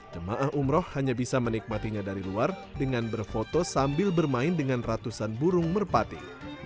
jemaah umroh hanya bisa menikmatinya dari luar dengan berfoto sambil bermain dengan ratusan burung merpati